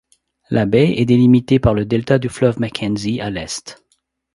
La baie est délimitée par le delta du fleuve Mackenzie à l'Est.